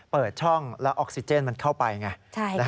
เปิดช่องแล้วออกซิเจนมันเข้าไปไง